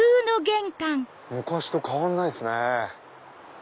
昔と変わんないっすね。